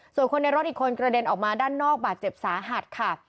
ส่วนคนในรถอีกคนกระเด็นออกมาด้านนอกบาดเจ็บสาหัสค่ะ